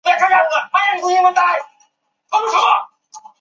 鸭跖草状凤仙花为凤仙花科凤仙花属下的一个种。